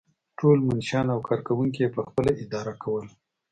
ټول منشیان او کارکوونکي یې پخپله اداره کول.